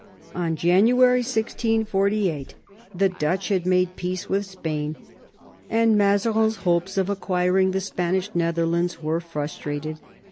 In January 1648 the Dutch had made peace with Spain, and Mazarin's hopes of acquiring the Spanish Netherlands were frustrated.